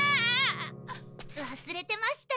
わすれてました。